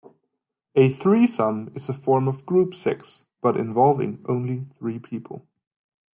A threesome is a form of group sex, but involving only three people.